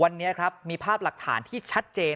วันนี้ครับมีภาพหลักฐานที่ชัดเจน